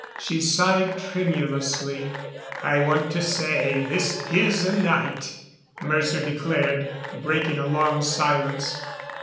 She sighed tremulously. "I want to say this is a night," Mercer declared, breaking a long silence.